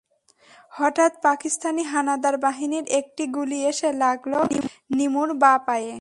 হঠাৎ পাকিস্তানি হানাদার বাহিনীর একটি গুলি এসে লাগল নিমুর বাঁ পায়ে।